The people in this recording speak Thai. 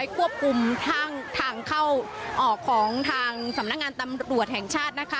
ควบคุมทางเข้าออกของทางสำนักงานตำรวจแห่งชาตินะคะ